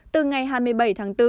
từ ngày hai mươi bảy tháng bốn